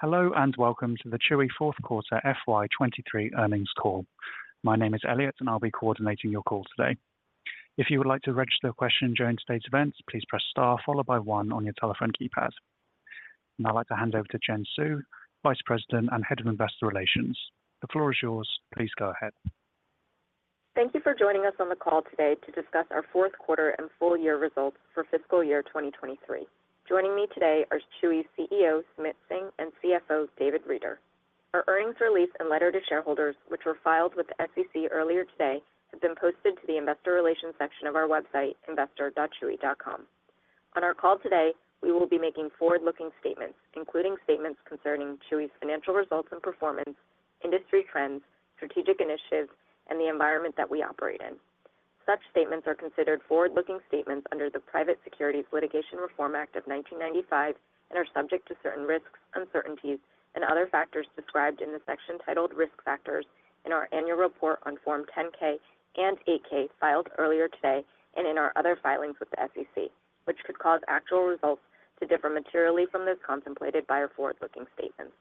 Hello and welcome to the Chewy Fourth Quarter FY23 Earnings Call. My name is Elliot, and I'll be coordinating your call today. If you would like to register a question and join today's events, please press Star followed by one on your telephone keypad. Now I'd like to hand over to Jen Hsu, Vice President and Head of Investor Relations. The floor is yours. Please go ahead. Thank you for joining us on the call today to discuss our fourth quarter and full year results for fiscal year 2023. Joining me today are Chewy CEO Sumit Singh and CFO David Reeder. Our earnings release and letter to shareholders, which were filed with the SEC earlier today, have been posted to the Investor Relations section of our website, investor.chewy.com. On our call today, we will be making forward-looking statements, including statements concerning Chewy's financial results and performance, industry trends, strategic initiatives, and the environment that we operate in. Such statements are considered forward-looking statements under the Private Securities Litigation Reform Act of 1995 and are subject to certain risks, uncertainties, and other factors described in the section titled Risk Factors in our annual report on Form 10-K and 8-K filed earlier today and in our other filings with the SEC, which could cause actual results to differ materially from those contemplated by our forward-looking statements.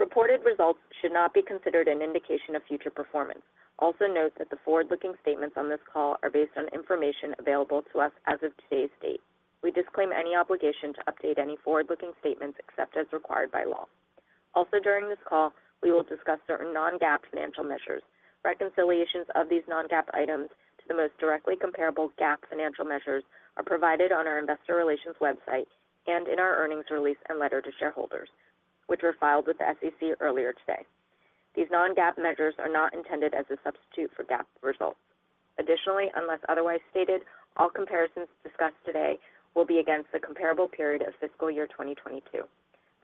Reported results should not be considered an indication of future performance. Also note that the forward-looking statements on this call are based on information available to us as of today's date. We disclaim any obligation to update any forward-looking statements except as required by law. Also during this call, we will discuss certain non-GAAP financial measures. Reconciliations of these non-GAAP items to the most directly comparable GAAP financial measures are provided on our Investor Relations website and in our earnings release and letter to shareholders, which were filed with the SEC earlier today. These non-GAAP measures are not intended as a substitute for GAAP results. Additionally, unless otherwise stated, all comparisons discussed today will be against the comparable period of fiscal year 2022.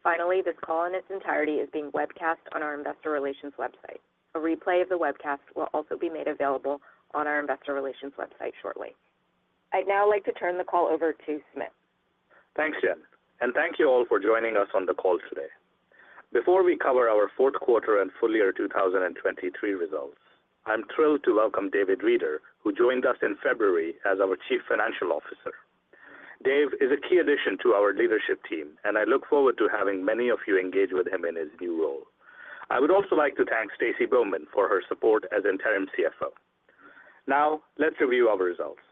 Finally, this call in its entirety is being webcast on our Investor Relations website. A replay of the webcast will also be made available on our Investor Relations website shortly. I'd now like to turn the call over to Sumit. Thanks, Jen. Thank you all for joining us on the call today. Before we cover our fourth quarter and full year 2023 results, I'm thrilled to welcome David Reeder, who joined us in February as our Chief Financial Officer. Dave is a key addition to our leadership team, and I look forward to having many of you engage with him in his new role. I would also like to thank Steve Bowman for her support as interim CFO. Now let's review our results.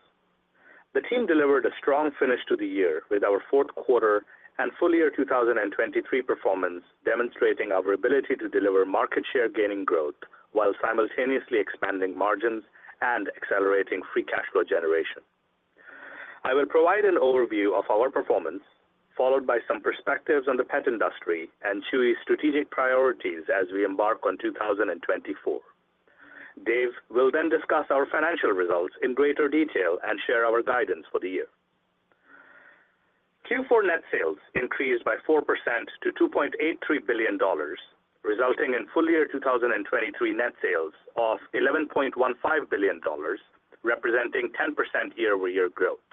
The team delivered a strong finish to the year with our fourth quarter and full year 2023 performance demonstrating our ability to deliver market share gaining growth while simultaneously expanding margins and accelerating free cash flow generation. I will provide an overview of our performance, followed by some perspectives on the pet industry and Chewy's strategic priorities as we embark on 2024. Dave will then discuss our financial results in greater detail and share our guidance for the year. Q4 net sales increased by 4% to $2.83 billion, resulting in full year 2023 net sales of $11.15 billion, representing 10% year-over-year growth.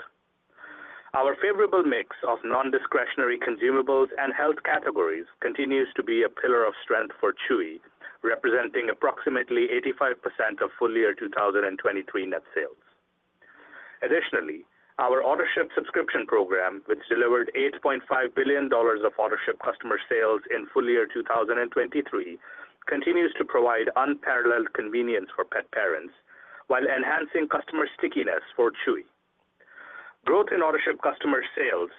Our favorable mix of non-discretionary consumables and health categories continues to be a pillar of strength for Chewy, representing approximately 85% of full year 2023 net sales. Additionally, our Autoship subscription program, which delivered $8.5 billion of Autoship customer sales in full year 2023, continues to provide unparalleled convenience for pet parents while enhancing customer stickiness for Chewy. Growth in Autoship customer sales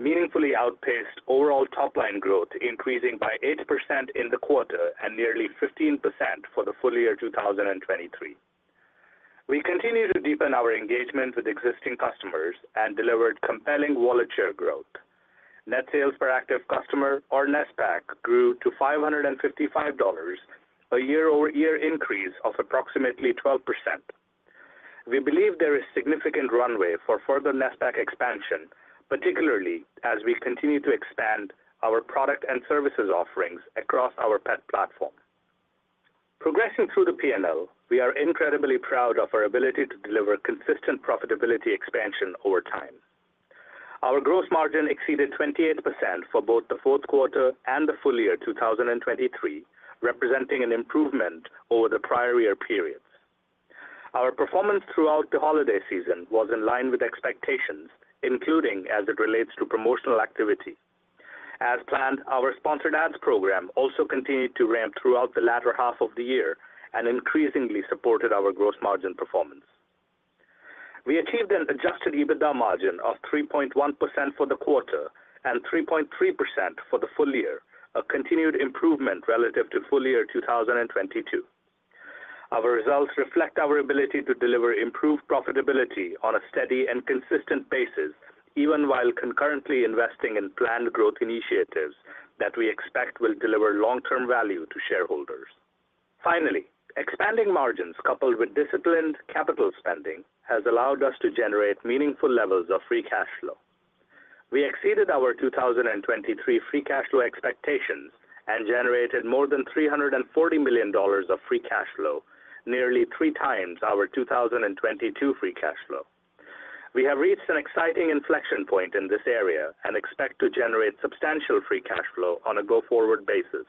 meaningfully outpaced overall top-line growth, increasing by 8% in the quarter and nearly 15% for the full year 2023. We continue to deepen our engagement with existing customers and delivered compelling wallet share growth. Net sales per active customer, or NASPAC, grew to $555, a year-over-year increase of approximately 12%. We believe there is significant runway for further NASPAC expansion, particularly as we continue to expand our product and services offerings across our pet platform. Progressing through the P&L, we are incredibly proud of our ability to deliver consistent profitability expansion over time. Our gross margin exceeded 28% for both the fourth quarter and the full year 2023, representing an improvement over the prior year periods. Our performance throughout the holiday season was in line with expectations, including as it relates to promotional activity. As planned, our sponsored ads program also continued to ramp throughout the latter half of the year and increasingly supported our gross margin performance. We achieved an adjusted EBITDA margin of 3.1% for the quarter and 3.3% for the full year, a continued improvement relative to full year 2022. Our results reflect our ability to deliver improved profitability on a steady and consistent basis, even while concurrently investing in planned growth initiatives that we expect will deliver long-term value to shareholders. Finally, expanding margins coupled with disciplined capital spending has allowed us to generate meaningful levels of free cash flow. We exceeded our 2023 free cash flow expectations and generated more than $340 million of free cash flow, nearly three times our 2022 free cash flow. We have reached an exciting inflection point in this area and expect to generate substantial free cash flow on a go-forward basis.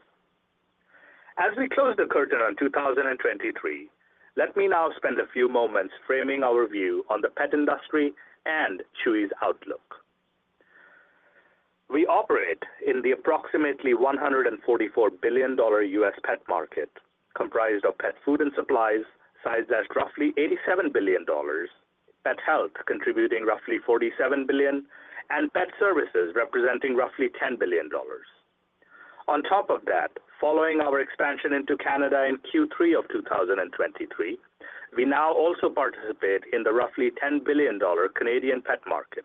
As we close the curtain on 2023, let me now spend a few moments framing our view on the pet industry and Chewy's outlook. We operate in the approximately $144 billion U.S. pet market, comprised of pet food and supplies sized at roughly $87 billion, pet health contributing roughly $47 billion, and pet services representing roughly $10 billion. On top of that, following our expansion into Canada in Q3 of 2023, we now also participate in the roughly $10 billion Canadian pet market.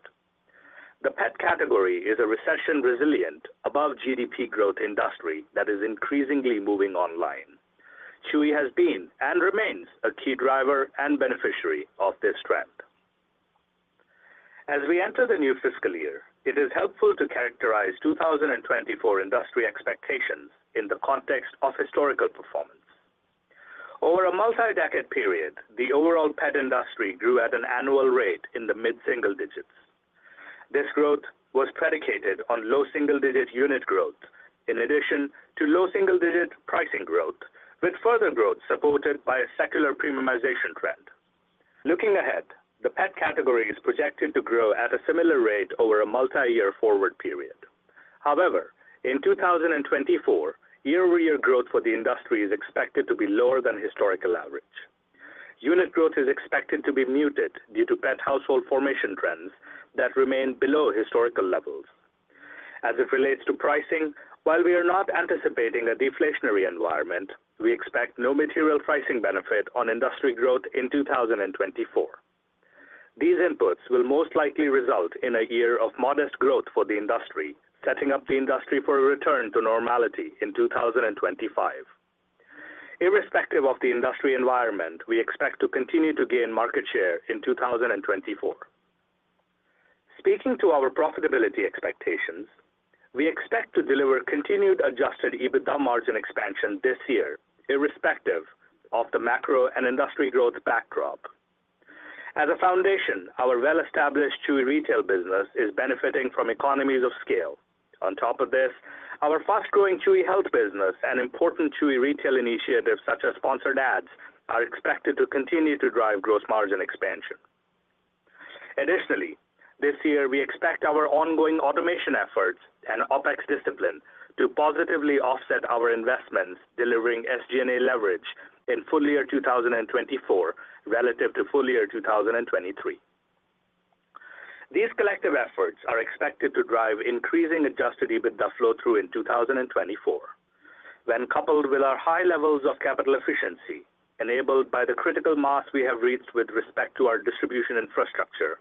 The pet category is a recession-resilient, above-GDP growth industry that is increasingly moving online. Chewy has been and remains a key driver and beneficiary of this trend. As we enter the new fiscal year, it is helpful to characterize 2024 industry expectations in the context of historical performance. Over a multi-decade period, the overall pet industry grew at an annual rate in the mid-single digits. This growth was predicated on low-single-digit unit growth in addition to low-single-digit pricing growth, with further growth supported by a secular premiumization trend. Looking ahead, the pet category is projected to grow at a similar rate over a multi-year forward period. However, in 2024, year-over-year growth for the industry is expected to be lower than historical average. Unit growth is expected to be muted due to pet household formation trends that remain below historical levels. As it relates to pricing, while we are not anticipating a deflationary environment, we expect no material pricing benefit on industry growth in 2024. These inputs will most likely result in a year of modest growth for the industry, setting up the industry for a return to normality in 2025. Irrespective of the industry environment, we expect to continue to gain market share in 2024. Speaking to our profitability expectations, we expect to deliver continued Adjusted EBITDA margin expansion this year, irrespective of the macro and industry growth backdrop. As a foundation, our well-established Chewy retail business is benefiting from economies of scale. On top of this, our fast-growing Chewy Health business and important Chewy retail initiatives such as Sponsored Ads are expected to continue to drive gross margin expansion. Additionally, this year we expect our ongoing automation efforts and OPEX discipline to positively offset our investments delivering SG&A leverage in full year 2024 relative to full year 2023. These collective efforts are expected to drive increasing Adjusted EBITDA flow through in 2024. When coupled with our high levels of capital efficiency enabled by the critical mass we have reached with respect to our distribution infrastructure,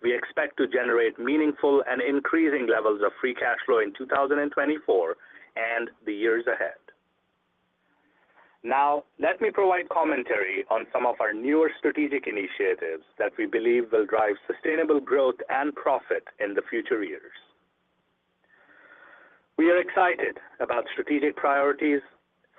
we expect to generate meaningful and increasing levels of Free Cash Flow in 2024 and the years ahead. Now let me provide commentary on some of our newer strategic initiatives that we believe will drive sustainable growth and profit in the future years. We are excited about strategic priorities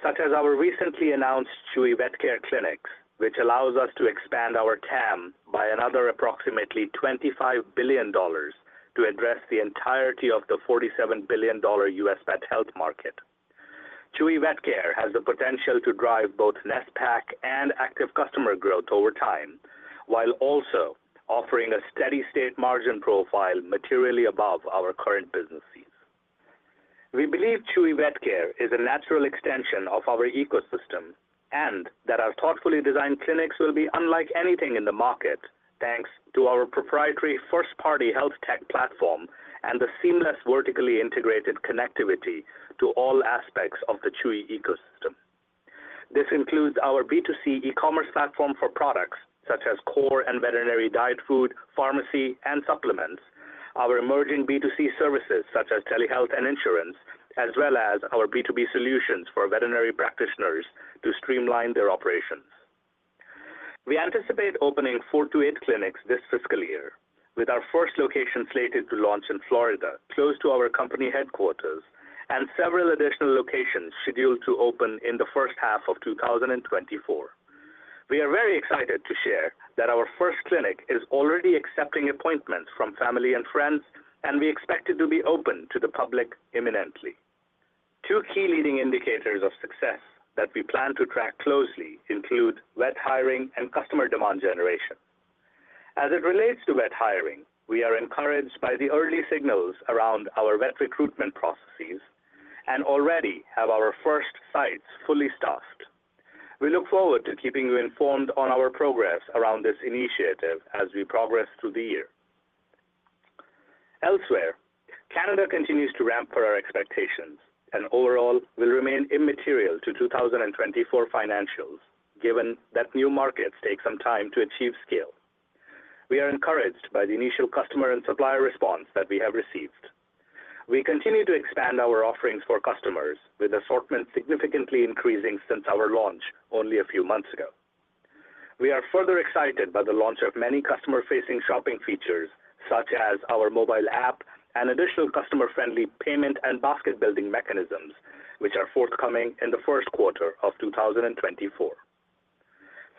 such as our recently announced Chewy Vet Care clinics, which allows us to expand our TAM by another approximately $25 billion to address the entirety of the $47 billion US pet health market. Chewy Vet Care has the potential to drive both NSPAC and active customer growth over time, while also offering a steady state margin profile materially above our current business fees. We believe Chewy Vet Care is a natural extension of our ecosystem and that our thoughtfully designed clinics will be unlike anything in the market thanks to our proprietary first-party health tech platform and the seamless vertically integrated connectivity to all aspects of the Chewy ecosystem. This includes our B2C e-commerce platform for products such as core and veterinary diet food, pharmacy, and supplements, our emerging B2C services such as telehealth and insurance, as well as our B2B solutions for veterinary practitioners to streamline their operations. We anticipate opening 4-8 clinics this fiscal year, with our first location slated to launch in Florida, close to our company headquarters, and several additional locations scheduled to open in the first half of 2024. We are very excited to share that our first clinic is already accepting appointments from family and friends, and we expect it to be open to the public imminently. Two key leading indicators of success that we plan to track closely include vet hiring and customer demand generation. As it relates to vet hiring, we are encouraged by the early signals around our vet recruitment processes and already have our first sites fully staffed. We look forward to keeping you informed on our progress around this initiative as we progress through the year. Elsewhere, Canada continues to ramp for our expectations and overall will remain immaterial to 2024 financials, given that new markets take some time to achieve scale. We are encouraged by the initial customer and supplier response that we have received. We continue to expand our offerings for customers, with assortment significantly increasing since our launch only a few months ago. We are further excited by the launch of many customer-facing shopping features such as our mobile app and additional customer-friendly payment and basket-building mechanisms, which are forthcoming in the first quarter of 2024.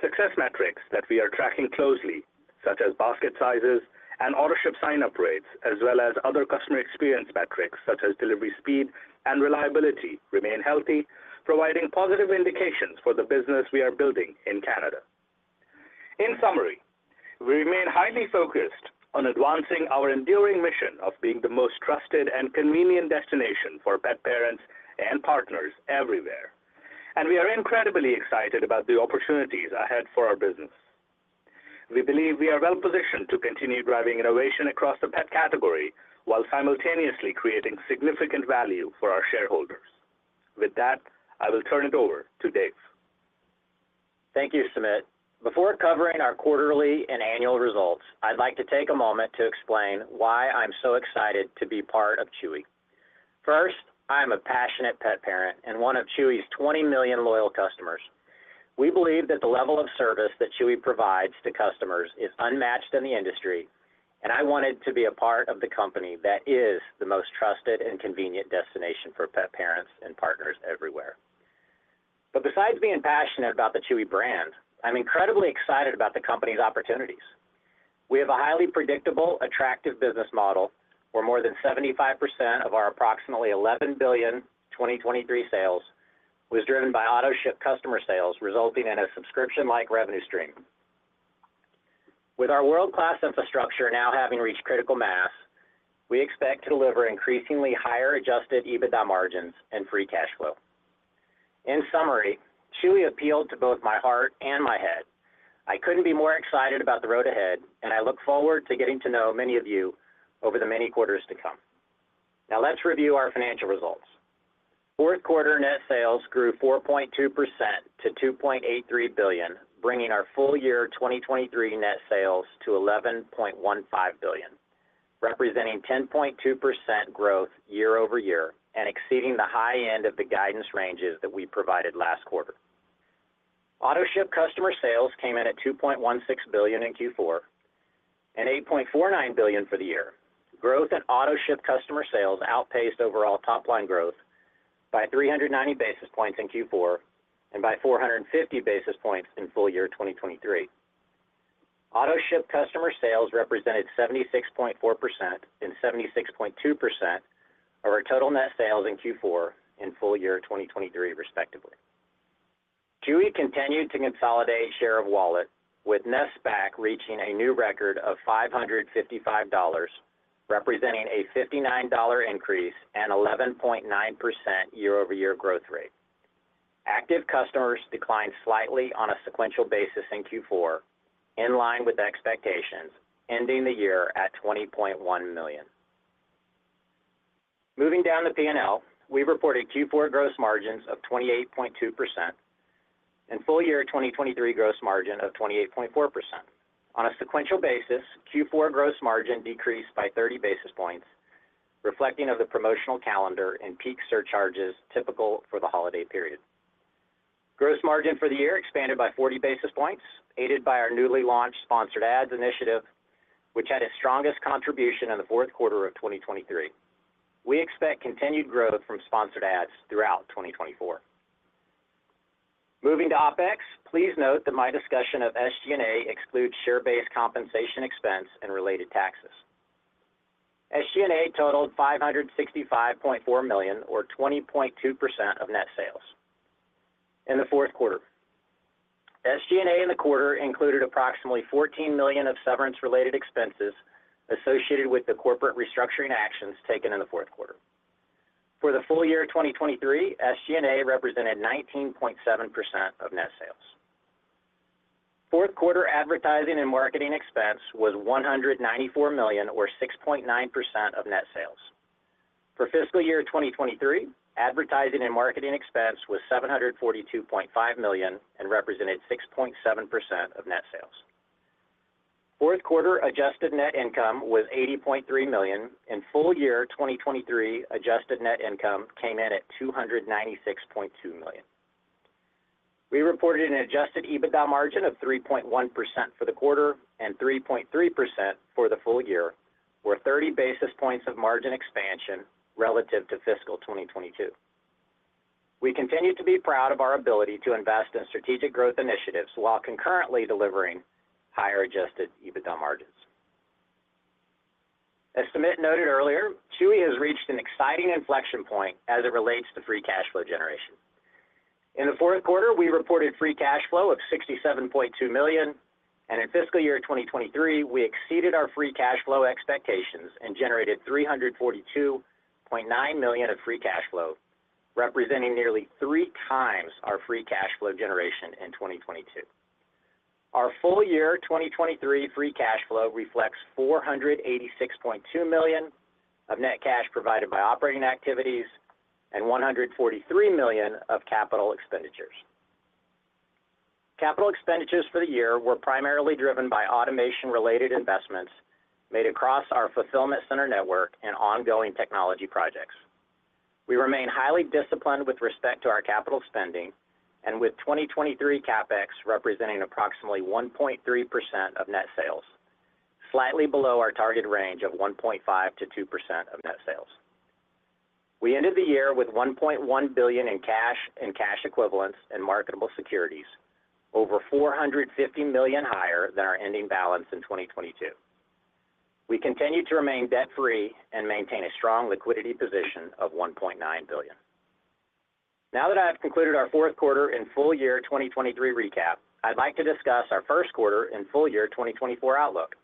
Success metrics that we are tracking closely, such as basket sizes and Autoship sign-up rates, as well as other customer experience metrics such as delivery speed and reliability, remain healthy, providing positive indications for the business we are building in Canada. In summary, we remain highly focused on advancing our enduring mission of being the most trusted and convenient destination for pet parents and partners everywhere, and we are incredibly excited about the opportunities ahead for our business. We believe we are well-positioned to continue driving innovation across the pet category while simultaneously creating significant value for our shareholders. With that, I will turn it over to Dave. Thank you, Sumit. Before covering our quarterly and annual results, I'd like to take a moment to explain why I'm so excited to be part of Chewy. First, I'm a passionate pet parent and one of Chewy's 20 million loyal customers. We believe that the level of service that Chewy provides to customers is unmatched in the industry, and I wanted to be a part of the company that is the most trusted and convenient destination for pet parents and partners everywhere. But besides being passionate about the Chewy brand, I'm incredibly excited about the company's opportunities. We have a highly predictable, attractive business model where more than 75% of our approximately $11 billion 2023 sales was driven by Autoship customer sales, resulting in a subscription-like revenue stream. With our world-class infrastructure now having reached critical mass, we expect to deliver increasingly higher Adjusted EBITDA margins and free cash flow. In summary, Chewy appealed to both my heart and my head. I couldn't be more excited about the road ahead, and I look forward to getting to know many of you over the many quarters to come. Now let's review our financial results. Fourth quarter net sales grew 4.2% to $2.83 billion, bringing our full year 2023 net sales to $11.15 billion, representing 10.2% growth year over year and exceeding the high end of the guidance ranges that we provided last quarter. Autoship customer sales came in at $2.16 billion in Q4 and $8.49 billion for the year, growth in Autoship customer sales outpaced overall top-line growth by 390 basis points in Q4 and by 450 basis points in full year 2023. Autoship customer sales represented 76.4% and 76.2% of our total net sales in Q4 and full year 2023, respectively. Chewy continued to consolidate share of wallet, with NSPAC reaching a new record of $555, representing a $59 increase and 11.9% year-over-year growth rate. Active customers declined slightly on a sequential basis in Q4, in line with expectations, ending the year at $20.1 million. Moving down the P&L, we reported Q4 gross margins of 28.2% and full year 2023 gross margin of 28.4%. On a sequential basis, Q4 gross margin decreased by 30 basis points, reflecting the promotional calendar and peak surcharges typical for the holiday period. Gross margin for the year expanded by 40 basis points, aided by our newly launched Sponsored Ads initiative, which had its strongest contribution in the fourth quarter of 2023. We expect continued growth from Sponsored Ads throughout 2024. Moving to OpEx, please note that my discussion of SG&A excludes share-based compensation expense and related taxes. SG&A totaled $565.4 million, or 20.2% of net sales, in the fourth quarter. SG&A in the quarter included approximately $14 million of severance-related expenses associated with the corporate restructuring actions taken in the fourth quarter. For the full year 2023, SG&A represented 19.7% of net sales. Fourth quarter advertising and marketing expense was $194 million, or 6.9% of net sales. For fiscal year 2023, advertising and marketing expense was $742.5 million and represented 6.7% of net sales. Fourth quarter adjusted net income was $80.3 million, and full year 2023 adjusted net income came in at $296.2 million. We reported an adjusted EBITDA margin of 3.1% for the quarter and 3.3% for the full year, or 30 basis points of margin expansion relative to fiscal 2022. We continue to be proud of our ability to invest in strategic growth initiatives while concurrently delivering higher adjusted EBITDA margins. As Sumit noted earlier, Chewy has reached an exciting inflection point as it relates to free cash flow generation. In the fourth quarter, we reported free cash flow of $67.2 million, and in fiscal year 2023, we exceeded our free cash flow expectations and generated $342.9 million of free cash flow, representing nearly three times our free cash flow generation in 2022. Our full year 2023 free cash flow reflects $486.2 million of net cash provided by operating activities and $143 million of capital expenditures. Capital expenditures for the year were primarily driven by automation-related investments made across our fulfillment center network and ongoing technology projects. We remain highly disciplined with respect to our capital spending and with 2023 CapEx representing approximately 1.3% of net sales, slightly below our target range of 1.5%-2% of net sales. We ended the year with $1.1 billion in cash and cash equivalents and marketable securities, over $450 million higher than our ending balance in 2022. We continue to remain debt-free and maintain a strong liquidity position of $1.9 billion. Now that I have concluded our fourth quarter and full year 2023 recap, I'd like to discuss our first quarter and full year 2024 outlook.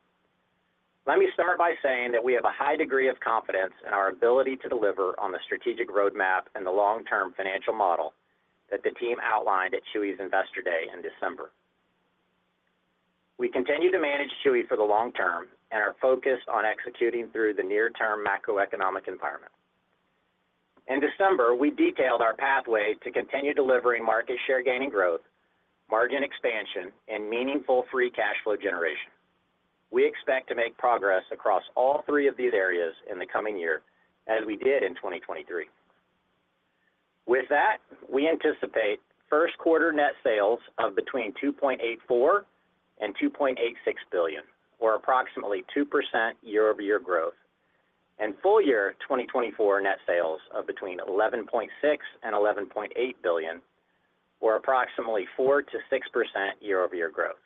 Let me start by saying that we have a high degree of confidence in our ability to deliver on the strategic roadmap and the long-term financial model that the team outlined at Chewy's Investor Day in December. We continue to manage Chewy for the long term and are focused on executing through the near-term macroeconomic environment. In December, we detailed our pathway to continue delivering market share-gaining growth, margin expansion, and meaningful free cash flow generation. We expect to make progress across all three of these areas in the coming year as we did in 2023. With that, we anticipate first quarter net sales of between $2.84 billion-$2.86 billion, or approximately 2% year-over-year growth, and full year 2024 net sales of between $11.6-$11.8 billion, or approximately 4%-6% year-over-year growth.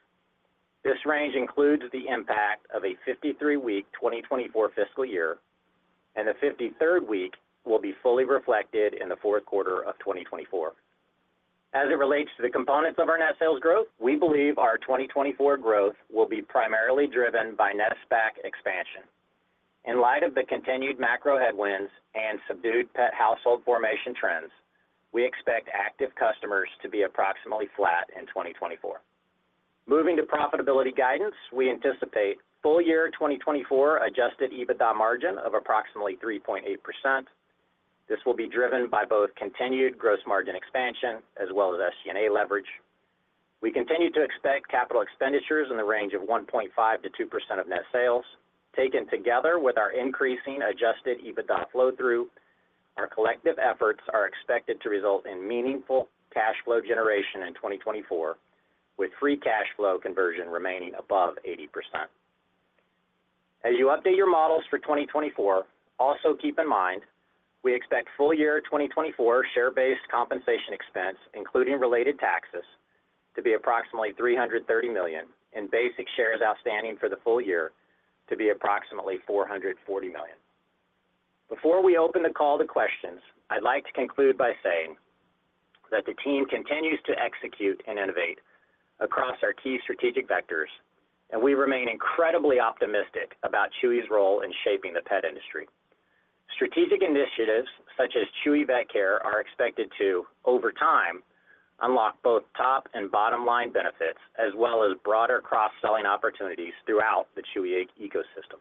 This range includes the impact of a 53-week 2024 fiscal year, and the 53rd week will be fully reflected in the fourth quarter of 2024. As it relates to the components of our net sales growth, we believe our 2024 growth will be primarily driven by NASPAC expansion. In light of the continued macro headwinds and subdued pet household formation trends, we expect active customers to be approximately flat in 2024. Moving to profitability guidance, we anticipate full year 2024 Adjusted EBITDA margin of approximately 3.8%. This will be driven by both continued gross margin expansion as well as SG&A leverage. We continue to expect capital expenditures in the range of 1.5%-2% of net sales. Taken together with our increasing adjusted EBITDA flow-through, our collective efforts are expected to result in meaningful cash flow generation in 2024, with free cash flow conversion remaining above 80%. As you update your models for 2024, also keep in mind we expect full year 2024 share-based compensation expense, including related taxes, to be approximately $330 million, and basic shares outstanding for the full year to be approximately 440 million. Before we open the call to questions, I'd like to conclude by saying that the team continues to execute and innovate across our key strategic vectors, and we remain incredibly optimistic about Chewy's role in shaping the pet industry. Strategic initiatives such as Chewy Vet Care are expected to, over time, unlock both top and bottom-line benefits as well as broader cross-selling opportunities throughout the Chewy ecosystem.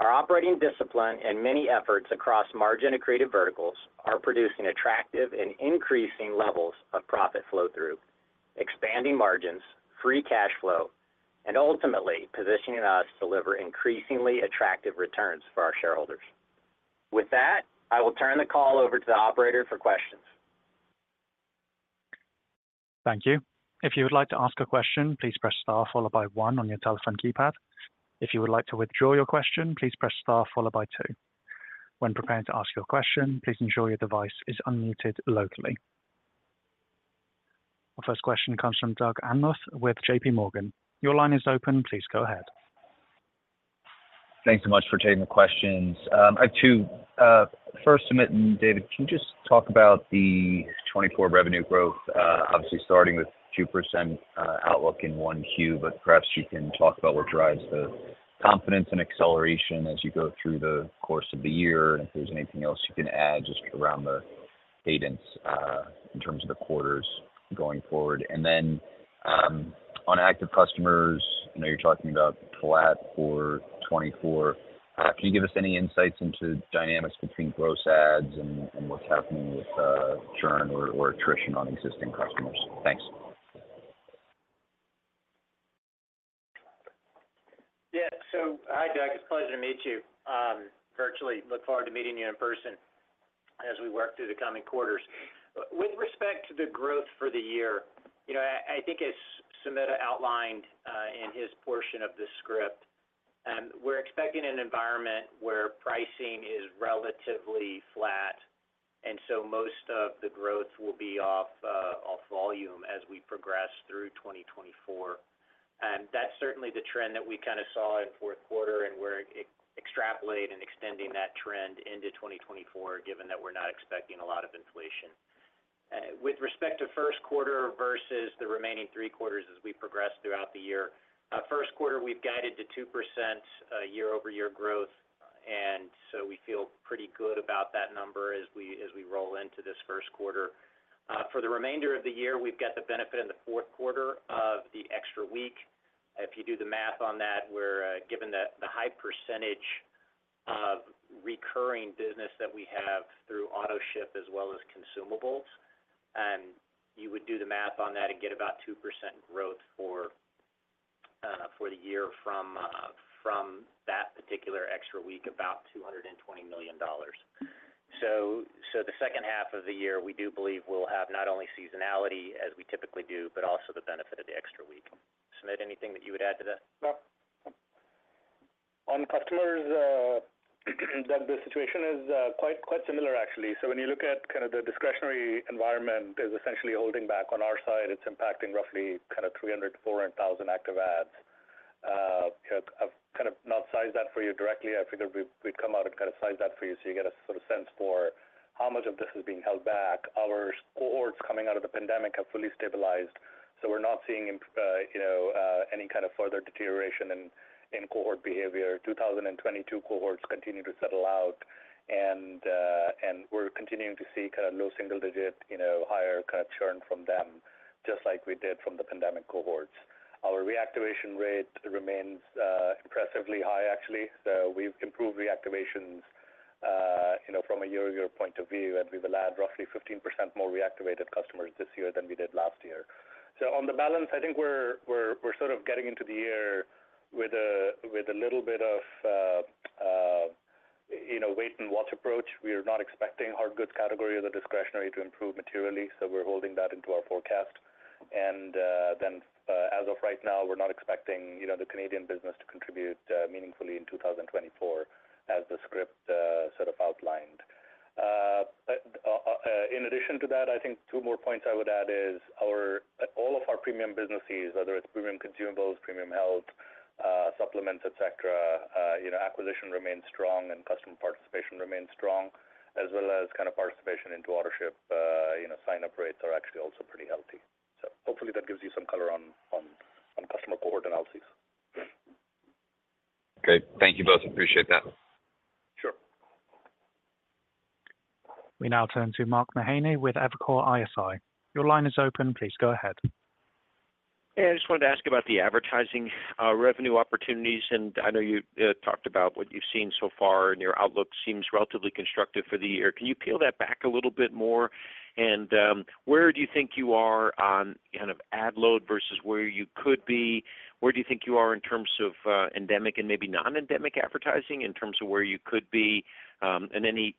Our operating discipline and many efforts across margin and creative verticals are producing attractive and increasing levels of profit flow-through, expanding margins, free cash flow, and ultimately positioning us to deliver increasingly attractive returns for our shareholders. With that, I will turn the call over to the operator for questions. Thank you. If you would like to ask a question, please press star followed by one on your telephone keypad. If you would like to withdraw your question, please press star followed by two. When preparing to ask your question, please ensure your device is unmuted locally. Our first question comes from Doug Anmuth with JPMorgan. Your line is open. Please go ahead. Thanks so much for taking the questions. I have two. First, Sumit and David, can you just talk about the 2024 revenue growth, obviously starting with 2% outlook in Q1, but perhaps you can talk about what drives the confidence and acceleration as you go through the course of the year and if there's anything else you can add just around the cadence in terms of the quarters going forward. And then on active customers, you're talking about flat for 2024. Can you give us any insights into dynamics between gross adds and what's happening with churn or attrition on existing customers? Thanks. Yeah. So hi, Doug. It's a pleasure to meet you virtually. Look forward to meeting you in person as we work through the coming quarters. With respect to the growth for the year, I think as Sumit outlined in his portion of the script, we're expecting an environment where pricing is relatively flat, and so most of the growth will be off volume as we progress through 2024. That's certainly the trend that we kind of saw in fourth quarter and we're extrapolating and extending that trend into 2024 given that we're not expecting a lot of inflation. With respect to first quarter versus the remaining three quarters as we progress throughout the year, first quarter, we've guided to 2% year-over-year growth, and so we feel pretty good about that number as we roll into this first quarter. For the remainder of the year, we've got the benefit in the fourth quarter of the extra week. If you do the math on that, given the high percentage of recurring business that we have through Autoship as well as consumables, you would do the math on that and get about 2% growth for the year from that particular extra week, about $220 million. So the second half of the year, we do believe we'll have not only seasonality as we typically do but also the benefit of the extra week. Sumit, anything that you would add to that? No. On customers, Doug, the situation is quite similar, actually. So when you look at kind of the discretionary environment is essentially holding back. On our side, it's impacting roughly kind of 300,000-400,000 active ads. I've kind of not sized that for you directly. I figured we'd come out and kind of size that for you so you get a sort of sense for how much of this is being held back. Our cohorts coming out of the pandemic have fully stabilized, so we're not seeing any kind of further deterioration in cohort behavior. 2022 cohorts continue to settle out, and we're continuing to see kind of low single-digit, higher kind of churn from them just like we did from the pandemic cohorts. Our reactivation rate remains impressively high, actually. So we've improved reactivations from a year-over-year point of view, and we've allowed roughly 15% more reactivated customers this year than we did last year. So on the balance, I think we're sort of getting into the year with a little bit of wait-and-watch approach. We are not expecting hard goods category of the discretionary to improve materially, so we're holding that into our forecast. And then as of right now, we're not expecting the Canadian business to contribute meaningfully in 2024 as the script sort of outlined. In addition to that, I think two more points I would add is all of our premium businesses, whether it's premium consumables, premium health, supplements, etc., acquisition remains strong and customer participation remains strong, as well as kind of participation into Autoship sign-up rates are actually also pretty healthy. So hopefully, that gives you some color on customer cohort analyses. Great. Thank you both. Appreciate that. Sure. We now turn to Mark Mahaney with Evercore ISI. Your line is open. Please go ahead. Yeah. I just wanted to ask you about the advertising revenue opportunities, and I know you talked about what you've seen so far, and your outlook seems relatively constructive for the year. Can you peel that back a little bit more? And where do you think you are on kind of ad load versus where you could be? Where do you think you are in terms of endemic and maybe non-endemic advertising in terms of where you could be and any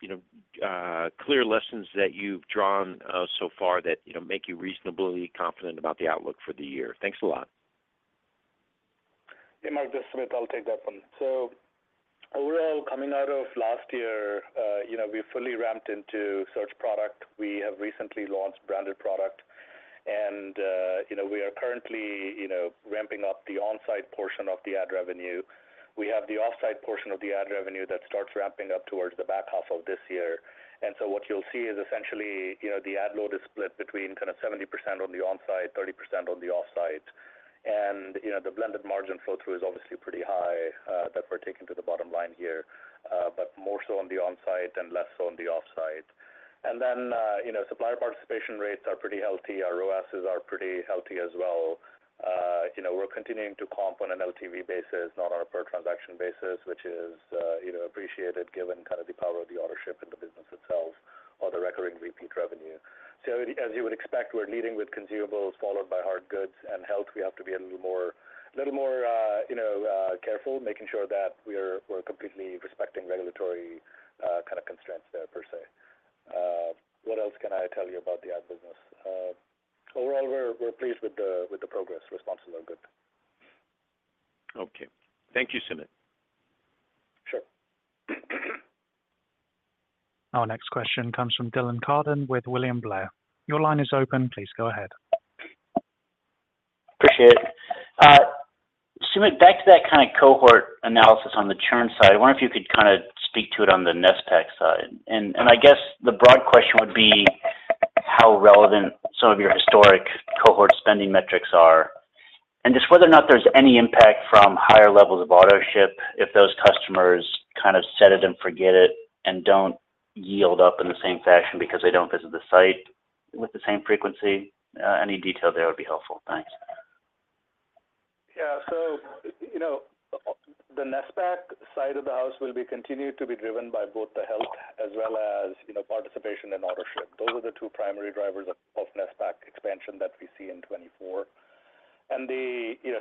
clear lessons that you've drawn so far that make you reasonably confident about the outlook for the year? Thanks a lot. Yeah. Mark, it's Sumit, I'll take that one. So overall, coming out of last year, we've fully ramped into search product. We have recently launched branded product, and we are currently ramping up the onsite portion of the ad revenue. We have the offsite portion of the ad revenue that starts ramping up towards the back half of this year. And so what you'll see is essentially the ad load is split between kind of 70% on the onsite, 30% on the offsite, and the blended margin flow-through is obviously pretty high that we're taking to the bottom line here, but more so on the onsite and less so on the offsite. And then supplier participation rates are pretty healthy. Our ROAS are pretty healthy as well. We're continuing to comp on an LTV basis, not on a per-transaction basis, which is appreciated given kind of the power of the Autoship and the business itself or the recurring repeat revenue. So as you would expect, we're leading with consumables followed by hard goods. And health, we have to be a little more careful, making sure that we're completely respecting regulatory kind of constraints there per se. What else can I tell you about the ad business? Overall, we're pleased with the progress. Responses are good. Okay. Thank you, Sumit. Sure. Our next question comes from Dylan Carden with William Blair. Your line is open. Please go ahead. Appreciate it. Sumit, back to that kind of cohort analysis on the churn side. I wonder if you could kind of speak to it on the NASPAC side. I guess the broad question would be how relevant some of your historic cohort spending metrics are and just whether or not there's any impact from higher levels of Autoship if those customers kind of set it and forget it and don't yield up in the same fashion because they don't visit the site with the same frequency. Any detail there would be helpful. Thanks. Yeah. The NASPAC side of the house will continue to be driven by both the health as well as participation in Autoship. Those are the two primary drivers of NASPAC expansion that we see in 2024.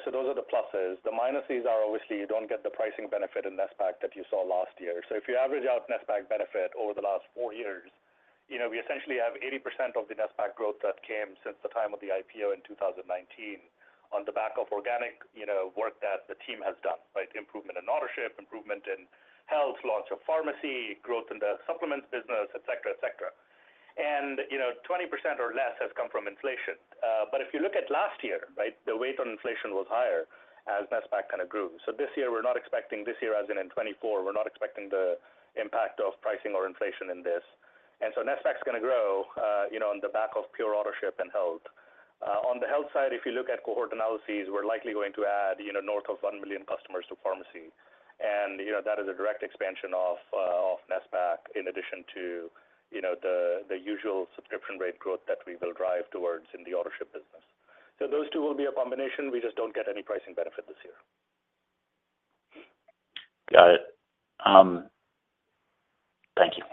Those are the pluses. The minuses are obviously you don't get the pricing benefit in NASPAC that you saw last year. So if you average out NASPAC benefit over the last 4 years, we essentially have 80% of the NASPAC growth that came since the time of the IPO in 2019 on the back of organic work that the team has done, right? Improvement in Autoship, improvement in health, launch of pharmacy, growth in the supplements business, etc., etc. And 20% or less has come from inflation. But if you look at last year, right, the weight on inflation was higher as NASPAC kind of grew. So this year, we're not expecting this year as in 2024, we're not expecting the impact of pricing or inflation in this. And so NASPAC's going to grow on the back of pure Autoship and health. On the health side, if you look at cohort analyses, we're likely going to add north of 1 million customers to pharmacy. And that is a direct expansion of NSPAC in addition to the usual subscription rate growth that we will drive towards in the Autoship business. So those two will be a combination. We just don't get any pricing benefit this year. Got it. Thank you.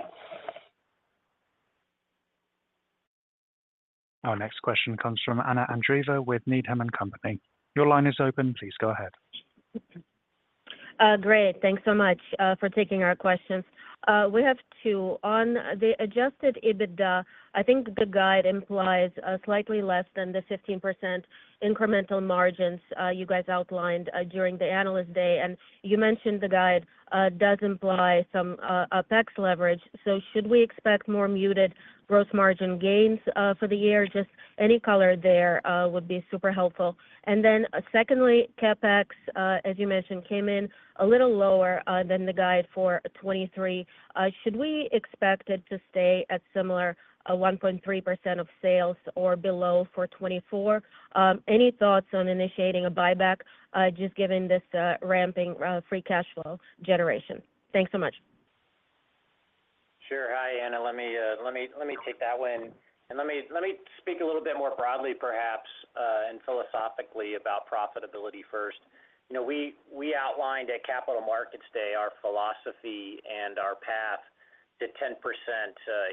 Our next question comes from Anna Andreeva with Needham & Company. Your line is open. Please go ahead. Great. Thanks so much for taking our questions. We have two. On the Adjusted EBITDA, I think the guide implies slightly less than the 15% incremental margins you guys outlined during the analyst day. And you mentioned the guide does imply some OpEx leverage. So should we expect more muted gross margin gains for the year? Just any color there would be super helpful. And then secondly, CapEx, as you mentioned, came in a little lower than the guide for 2023. Should we expect it to stay at similar 1.3% of sales or below for 2024? Any thoughts on initiating a buyback just given this ramping free cash flow generation? Thanks so much. Sure. Hi, Anna. Let me take that one. Let me speak a little bit more broadly, perhaps, and philosophically about profitability first. We outlined at Capital Markets Day our philosophy and our path to 10%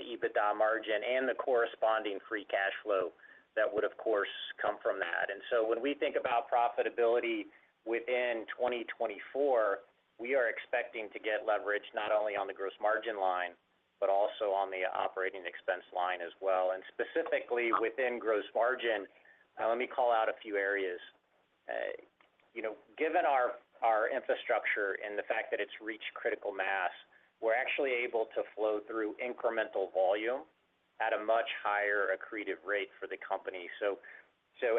EBITDA margin and the corresponding free cash flow that would, of course, come from that. So when we think about profitability within 2024, we are expecting to get leverage not only on the gross margin line but also on the operating expense line as well. Specifically within gross margin, let me call out a few areas. Given our infrastructure and the fact that it's reached critical mass, we're actually able to flow through incremental volume at a much higher accretive rate for the company. So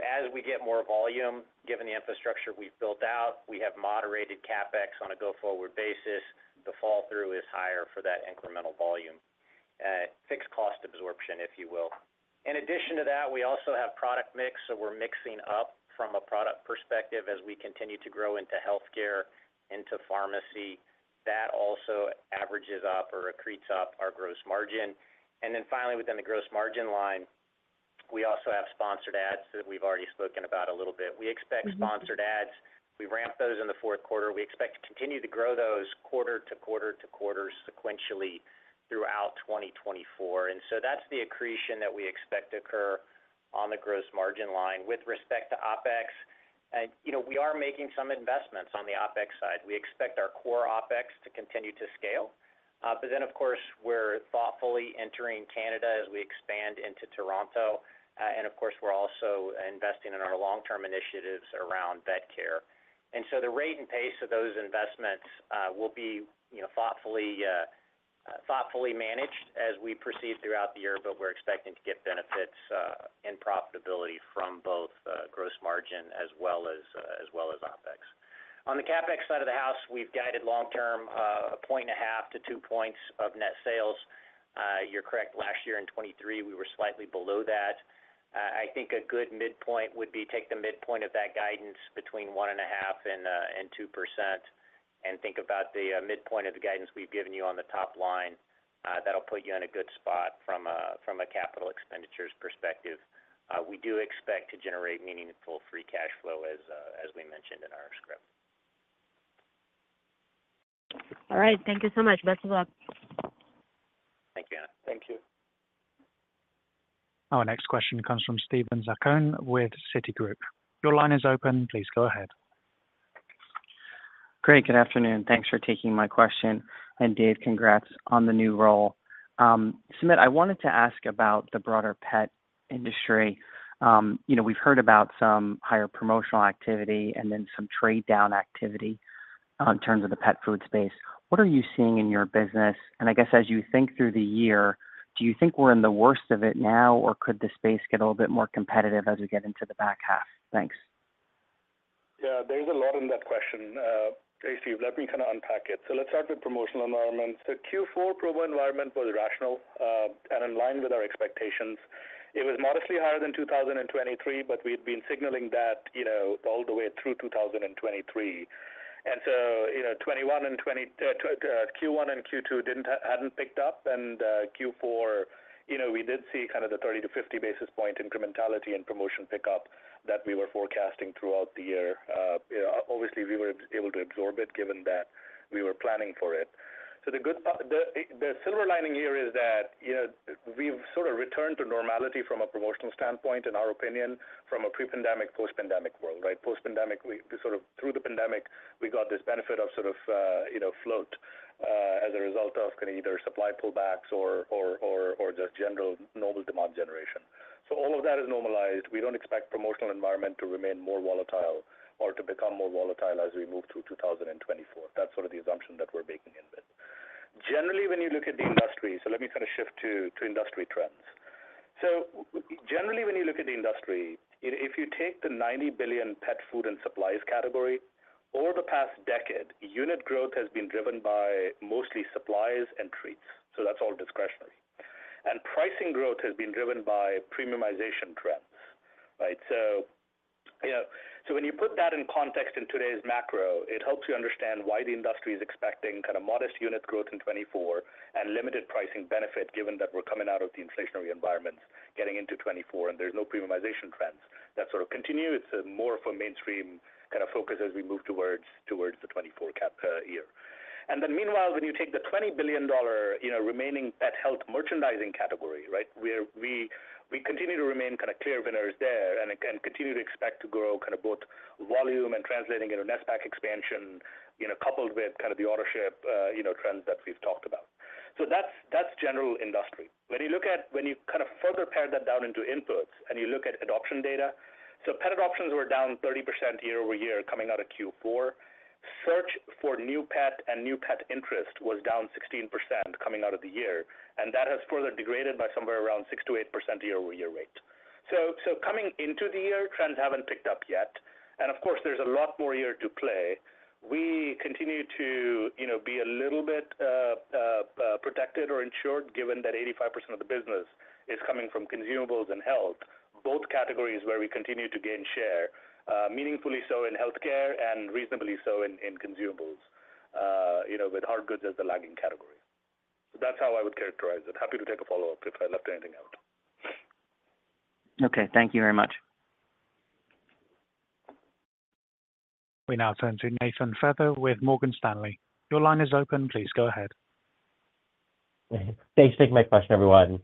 as we get more volume, given the infrastructure we've built out, we have moderated CapEx on a go-forward basis. The flow-through is higher for that incremental volume, fixed cost absorption, if you will. In addition to that, we also have product mix. So we're mixing up from a product perspective as we continue to grow into healthcare, into pharmacy. That also averages up or accretes up our gross margin. And then finally, within the gross margin line, we also have sponsored ads that we've already spoken about a little bit. We expect sponsored ads. We ramp those in the fourth quarter. We expect to continue to grow those quarter to quarter to quarter sequentially throughout 2024. And so that's the accretion that we expect to occur on the gross margin line with respect to OpEx. And we are making some investments on the OpEx side. We expect our core OpEx to continue to scale. But then, of course, we're thoughtfully entering Canada as we expand into Toronto. And of course, we're also investing in our long-term initiatives around vet care. And so the rate and pace of those investments will be thoughtfully managed as we proceed throughout the year, but we're expecting to get benefits and profitability from both gross margin as well as OpEx. On the CapEx side of the house, we've guided long-term 1.5-2 points of net sales. You're correct. Last year in 2023, we were slightly below that. I think a good midpoint would be take the midpoint of that guidance between 1.5% and 2% and think about the midpoint of the guidance we've given you on the top line. That'll put you in a good spot from a capital expenditures perspective. We do expect to generate meaningful free cash flow as we mentioned in our script. All right. Thank you so much. Best of luck. Thank you, Anna. Thank you. Our next question comes from Steven Zaccone with Citigroup. Your line is open. Please go ahead. Great. Good afternoon. Thanks for taking my question. And Dave, congrats on the new role. Sumit, I wanted to ask about the broader pet industry. We've heard about some higher promotional activity and then some trade-down activity in terms of the pet food space. What are you seeing in your business? I guess as you think through the year, do you think we're in the worst of it now, or could the space get a little bit more competitive as we get into the back half? Thanks. Yeah. There's a lot in that question. Steve, let me kind of unpack it. Let's start with promotional environments. The Q4 promo environment was rational and in line with our expectations. It was modestly higher than 2023, but we had been signaling that all the way through 2023. So Q1 and Q2 hadn't picked up. Q4, we did see kind of the 30 basis point-50 basis point incrementality and promotion pickup that we were forecasting throughout the year. Obviously, we were able to absorb it given that we were planning for it. So the silver lining here is that we've sort of returned to normality from a promotional standpoint, in our opinion, from a pre-pandemic, post-pandemic world, right? Post-pandemic, sort of through the pandemic, we got this benefit of sort of float as a result of kind of either supply pullbacks or just general global demand generation. So all of that is normalized. We don't expect promotional environment to remain more volatile or to become more volatile as we move through 2024. That's sort of the assumption that we're baking in with. Generally, when you look at the industry, so let me kind of shift to industry trends. So generally, when you look at the industry, if you take the $90 billion pet food and supplies category, over the past decade, unit growth has been driven by mostly supplies and treats. So that's all discretionary. Pricing growth has been driven by premiumization trends, right? So when you put that in context in today's macro, it helps you understand why the industry is expecting kind of modest unit growth in 2024 and limited pricing benefit given that we're coming out of the inflationary environments getting into 2024, and there's no premiumization trends that sort of continue. It's more of a mainstream kind of focus as we move towards the 2024 year. And then meanwhile, when you take the $20 billion remaining pet health merchandising category, right, we continue to remain kind of clear winners there and continue to expect to grow kind of both volume and translating into NSPAC expansion coupled with kind of the Autoship trends that we've talked about. So that's general industry. When you look at when you kind of further pare that down into inputs and you look at adoption data, so pet adoptions were down 30% year-over-year coming out of Q4. Search for new pet and new pet interest was down 16% coming out of the year. And that has further degraded by somewhere around 6%-8% year-over-year rate. So coming into the year, trends haven't picked up yet. And of course, there's a lot more here to play. We continue to be a little bit protected or insured given that 85% of the business is coming from consumables and health, both categories where we continue to gain share, meaningfully so in healthcare and reasonably so in consumables with hard goods as the lagging category. So that's how I would characterize it. Happy to take a follow-up if I left anything out. Okay. Thank you very much. We now turn to Nathan Feather with Morgan Stanley. Your line is open. Please go ahead. Thanks. Thanks for taking my question, everyone.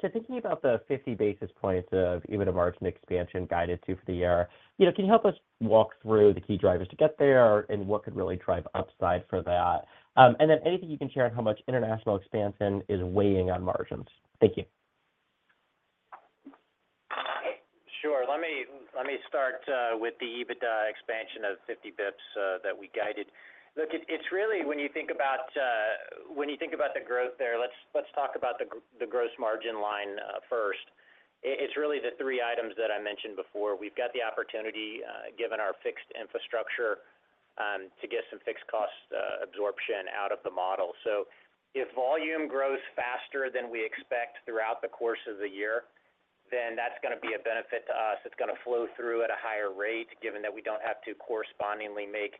So thinking about the 50 basis points of EBITDA margin expansion guided to for the year, can you help us walk through the key drivers to get there and what could really drive upside for that? And then anything you can share on how much international expansion is weighing on margins. Thank you. Sure. Let me start with the EBITDA expansion of 50 basis points that we guided. Look, it's really when you think about when you think about the growth there, let's talk about the gross margin line first. It's really the three items that I mentioned before. We've got the opportunity, given our fixed infrastructure, to get some fixed cost absorption out of the model. If volume grows faster than we expect throughout the course of the year, then that's going to be a benefit to us. It's going to flow through at a higher rate given that we don't have to correspondingly make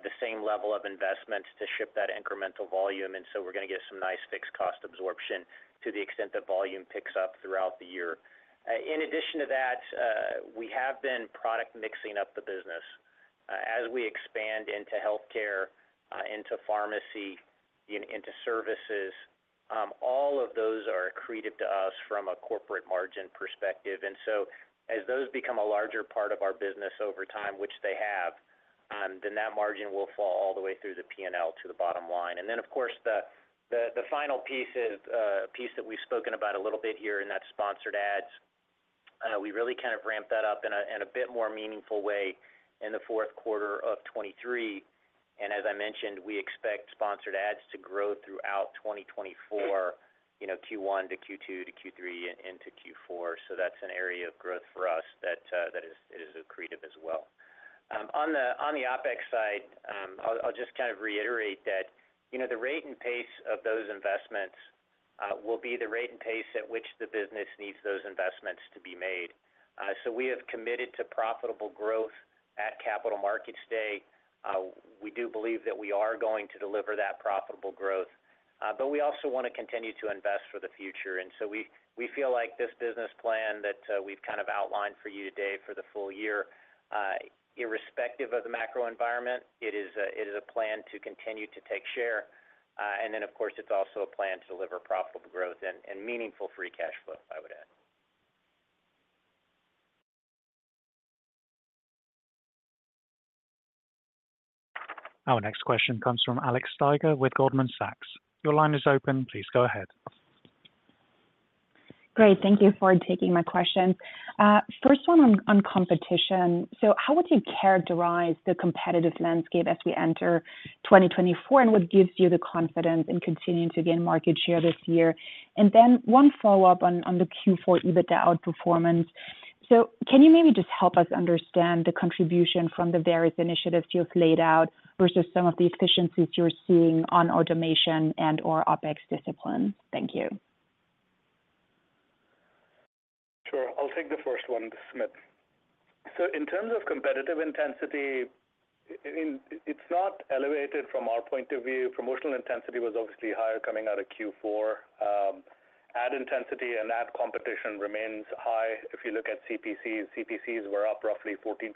the same level of investments to ship that incremental volume. We're going to get some nice fixed cost absorption to the extent that volume picks up throughout the year. In addition to that, we have been product mixing up the business. As we expand into healthcare, into pharmacy, into services, all of those are accretive to us from a corporate margin perspective. As those become a larger part of our business over time, which they have, then that margin will fall all the way through the P&L to the bottom line. And then, of course, the final piece is a piece that we've spoken about a little bit here, and that's sponsored ads. We really kind of ramp that up in a bit more meaningful way in the fourth quarter of 2023. And as I mentioned, we expect sponsored ads to grow throughout 2024, Q1 to Q2 to Q3 into Q4. So that's an area of growth for us that is accretive as well. On the OpEx side, I'll just kind of reiterate that the rate and pace of those investments will be the rate and pace at which the business needs those investments to be made. So we have committed to profitable growth at Capital Markets Day. We do believe that we are going to deliver that profitable growth. But we also want to continue to invest for the future. So we feel like this business plan that we've kind of outlined for you today for the full year, irrespective of the macro environment, it is a plan to continue to take share. Then, of course, it's also a plan to deliver profitable growth and meaningful free cash flow, I would add. Our next question comes from Alex Steiger with Goldman Sachs. Your line is open. Please go ahead. Great. Thank you for taking my question. First one on competition. So how would you characterize the competitive landscape as we enter 2024, and what gives you the confidence in continuing to gain market share this year? And then one follow-up on the Q4 EBITDA outperformance. So can you maybe just help us understand the contribution from the various initiatives you've laid out versus some of the efficiencies you're seeing on automation and/or OPEX discipline? Thank you. Sure. I'll take the first one, Sumit. So in terms of competitive intensity, it's not elevated from our point of view. Promotional intensity was obviously higher coming out of Q4. Ad intensity and ad competition remains high. If you look at CPCs, CPCs were up roughly 14%-16%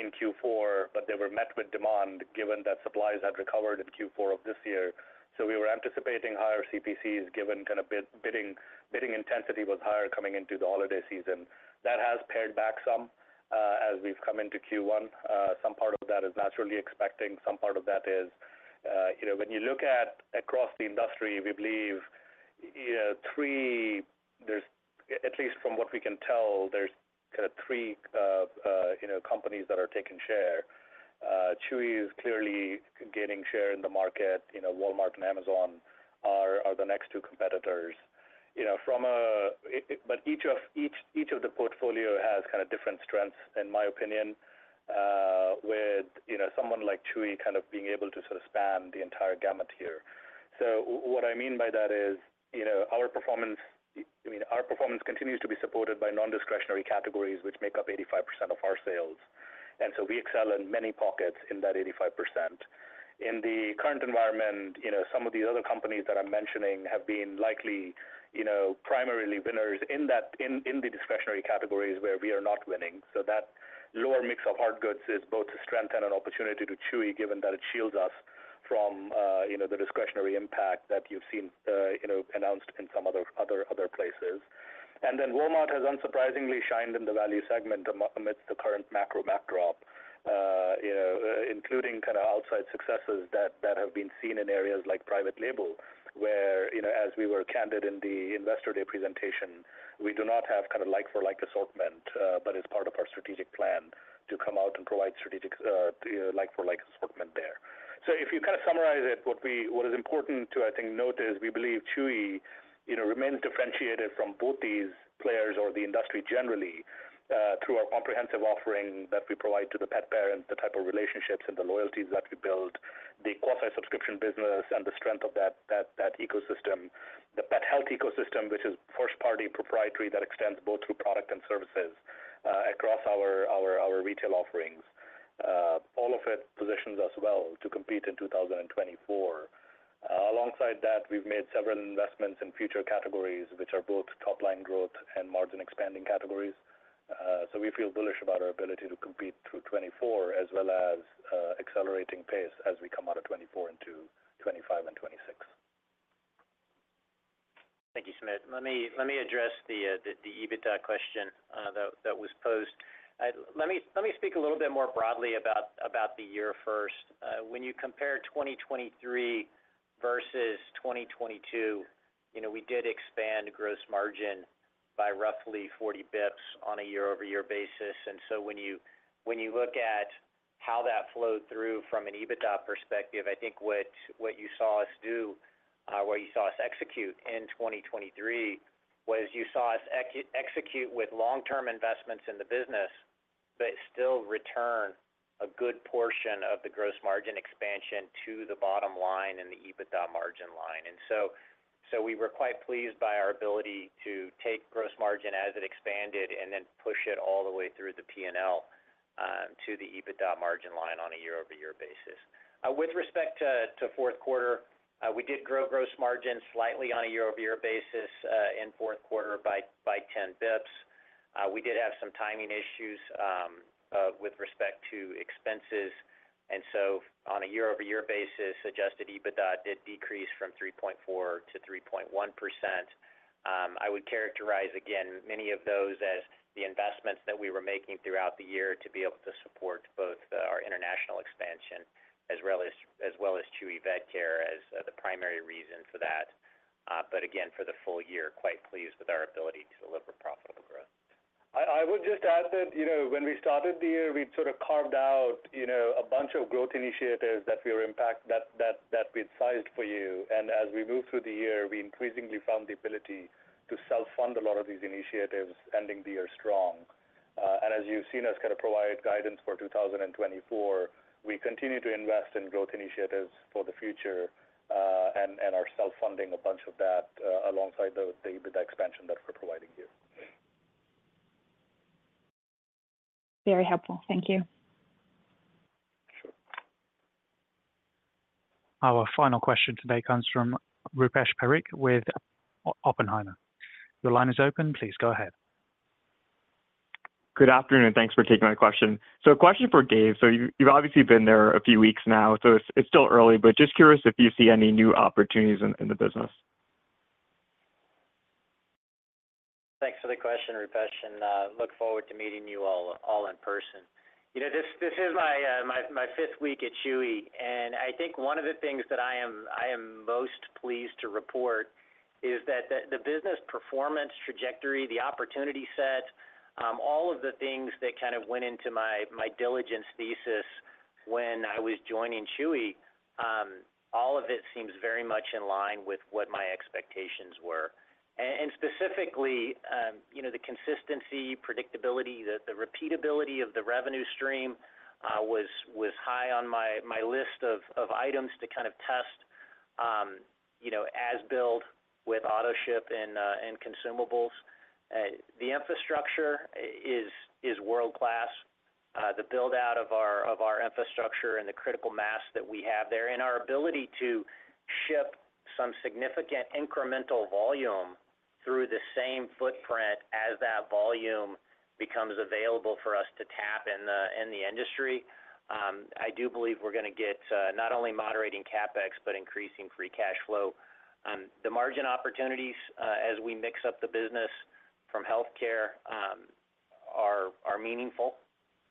in Q4, but they were met with demand given that supplies had recovered in Q4 of this year. So we were anticipating higher CPCs given kind of bidding intensity was higher coming into the holiday season. That has pared back some as we've come into Q1. Some part of that is naturally expecting. Some part of that is when you look at across the industry, we believe three at least from what we can tell, there's kind of three companies that are taking share. Chewy is clearly gaining share in the market. Walmart and Amazon are the next two competitors. But each of the portfolio has kind of different strengths, in my opinion, with someone like Chewy kind of being able to sort of span the entire gamut here. So what I mean by that is our performance I mean, our performance continues to be supported by nondiscretionary categories, which make up 85% of our sales. And so we excel in many pockets in that 85%. In the current environment, some of the other companies that I'm mentioning have been likely primarily winners in the discretionary categories where we are not winning. So that lower mix of hard goods is both a strength and an opportunity to Chewy given that it shields us from the discretionary impact that you've seen announced in some other places. And then Walmart has unsurprisingly shined in the value segment amidst the current macro backdrop, including kind of outside successes that have been seen in areas like private label where, as we were candid in the Investor Day presentation, we do not have kind of like-for-like assortment, but it's part of our strategic plan to come out and provide strategic like-for-like assortment there. So if you kind of summarize it, what is important to, I think, note is we believe Chewy remains differentiated from both these players or the industry generally through our comprehensive offering that we provide to the pet parent, the type of relationships and the loyalties that we build, the quasi-subscription business, and the strength of that ecosystem, the pet health ecosystem, which is first-party proprietary that extends both through product and services across our retail offerings. All of it positions us well to compete in 2024. Alongside that, we've made several investments in future categories, which are both top-line growth and margin-expanding categories. So we feel bullish about our ability to compete through 2024 as well as accelerating pace as we come out of 2024 into 2025 and 2026. Thank you, Sumit. Let me address the EBITDA question that was posed. Let me speak a little bit more broadly about the year first. When you compare 2023 versus 2022, we did expand gross margin by roughly 40 basis points on a year-over-year basis. And so when you look at how that flowed through from an EBITDA perspective, I think what you saw us do, what you saw us execute in 2023 was you saw us execute with long-term investments in the business but still return a good portion of the gross margin expansion to the bottom line in the EBITDA margin line. And so we were quite pleased by our ability to take gross margin as it expanded and then push it all the way through the P&L to the EBITDA margin line on a year-over-year basis. With respect to fourth quarter, we did grow gross margin slightly on a year-over-year basis in fourth quarter by 10 basis points. We did have some timing issues with respect to expenses. And so on a year-over-year basis, adjusted EBITDA did decrease from 3.4% to 3.1%. I would characterize, again, many of those as the investments that we were making throughout the year to be able to support both our international expansion as well as Chewy Vet Care as the primary reason for that. But again, for the full year, quite pleased with our ability to deliver profitable growth. I would just add that when we started the year, we'd sort of carved out a bunch of growth initiatives that we had sized for you. And as we move through the year, we increasingly found the ability to self-fund a lot of these initiatives, ending the year strong. And as you've seen us kind of provide guidance for 2024, we continue to invest in growth initiatives for the future and are self-funding a bunch of that alongside the EBITDA expansion that we're providing here. Very helpful. Thank you. Sure. Our final question today comes from Rupesh Parikh with Oppenheimer. Your line is open. Please go ahead. Good afternoon. Thanks for taking my question. So a question for Dave. So you've obviously been there a few weeks now, so it's still early, but just curious if you see any new opportunities in the business. Thanks for the question, Rupesh, and look forward to meeting you all in person. This is my fifth week at Chewy. And I think one of the things that I am most pleased to report is that the business performance trajectory, the opportunity set, all of the things that kind of went into my diligence thesis when I was joining Chewy, all of it seems very much in line with what my expectations were. And specifically, the consistency, predictability, the repeatability of the revenue stream was high on my list of items to kind of test as-built with Autoship and Consumables. The infrastructure is world-class. The build-out of our infrastructure and the critical mass that we have there and our ability to ship some significant incremental volume through the same footprint as that volume becomes available for us to tap in the industry, I do believe we're going to get not only moderating CapEx but increasing Free Cash Flow. The margin opportunities as we mix up the business from healthcare are meaningful.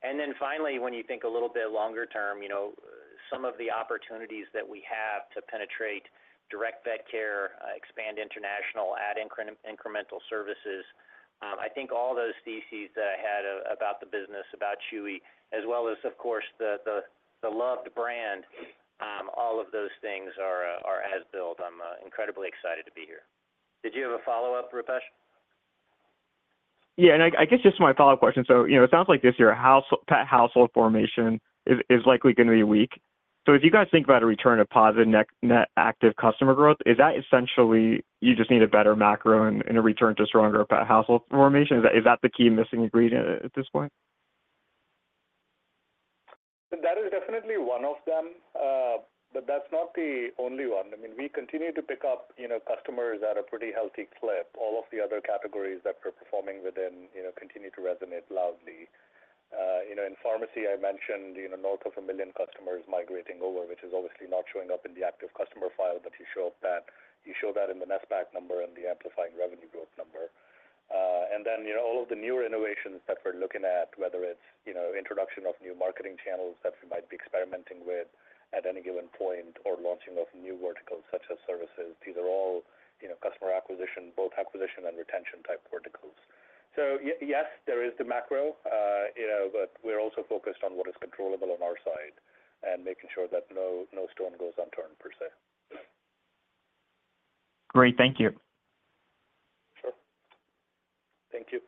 And then finally, when you think a little bit longer term, some of the opportunities that we have to penetrate direct vet care, expand international, add incremental services, I think all those theses that I had about the business, about Chewy, as well as, of course, the loved brand, all of those things are as-built. I'm incredibly excited to be here. Did you have a follow-up, Rupesh? Yeah. I guess just my follow-up question. So it sounds like this year, pet household formation is likely going to be weak. So if you guys think about a return of positive net active customer growth, is that essentially you just need a better macro and a return to stronger pet household formation? Is that the key missing ingredient at this point? That is definitely one of them, but that's not the only one. I mean, we continue to pick up customers at a pretty healthy clip. All of the other categories that we're performing within continue to resonate loudly. In pharmacy, I mentioned north of a million customers migrating over, which is obviously not showing up in the active customer file, but you show that in the NSPAC number and the amplifying revenue growth number. And then all of the newer innovations that we're looking at, whether it's introduction of new marketing channels that we might be experimenting with at any given point or launching of new verticals such as services, these are all customer acquisition, both acquisition and retention type verticals. So yes, there is the macro, but we're also focused on what is controllable on our side and making sure that no stone goes unturned per se. Great. Thank you. Sure. Thank you.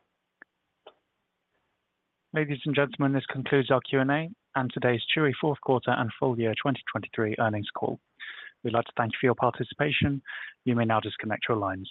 Ladies and gentlemen, this concludes our Q&A and today's Chewy fourth quarter and full year 2023 earnings call. We'd like to thank you for your participation. You may now disconnect your lines.